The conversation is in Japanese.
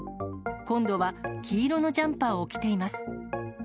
今度は黄色のジャンパーを着ています。